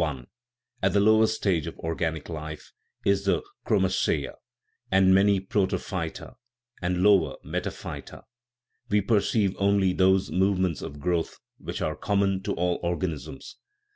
I. At the lowest stage of organic life, in the chro macea, and many protophyta and lower metaphyta, we perceive only those movements of growth which are common to all organisms.